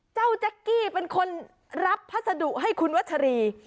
แจ๊กกี้เป็นคนรับพัสดุให้คุณวัชรี